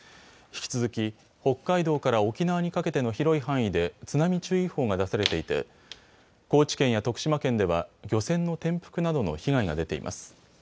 引き続き北海道から沖縄にかけての広い範囲で津波注意報が出されていて高知県や徳島県では漁船の転覆などの被害が出ています。